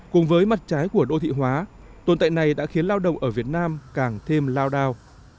cùng với mặt trái của đô thị hóa tồn tại này đã khiến lao động ở việt nam càng thêm lao đao